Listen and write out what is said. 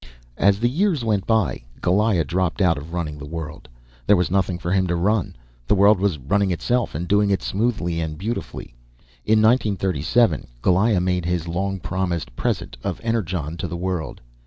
As the years went by, Goliah dropped out of the running of the world. There was nothing for him to run. The world was running itself, and doing it smoothly and beautifully. In 1937, Goliah made his long promised present of Energon to the world.